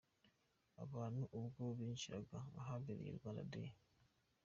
Abantu ubwo binjiraga ahabereye Rwanda Day.